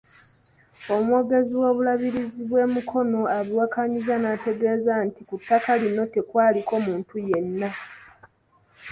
Omwogezi w'Obulabirizi bw'e Mukono abiwakanyizza n'ategeeza nti ku ettaka lino tekwaliko muntu yenna.